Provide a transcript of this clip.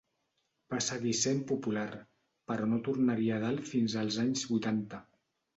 Va seguir sent popular, però no tornaria a dalt fins als anys vuitanta.